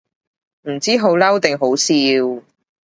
唔知好嬲定好笑